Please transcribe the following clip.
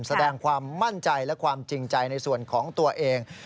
แสดงความมั่นใจและความจริงใจในส่วนของตัวเอง